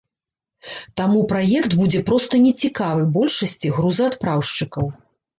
Таму праект будзе проста не цікавы большасці грузаадпраўшчыкаў.